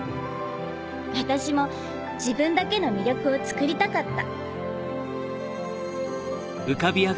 私も自分だけの魅力をつくりたかった。